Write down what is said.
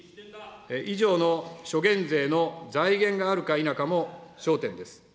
以上の諸減税の財源があるか否かも焦点です。